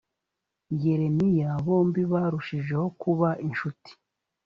yeremiya bombi barushijeho kuba inshuti